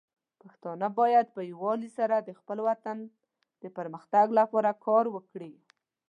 پښتانه بايد په يووالي سره د خپل وطن د پرمختګ لپاره کار وکړي.